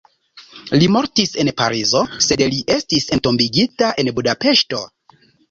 Li mortis en Parizo, sed li estis entombigita en Budapeŝto.